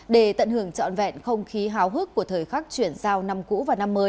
để tận hưởng trọn vẹn không khí háo hức của thời khắc chuyển giao năm cũ và năm mới